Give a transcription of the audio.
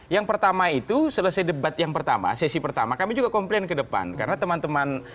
yang pertama itu selesai debat yang pertama sesi pertama kami juga komplain ke depan karena teman teman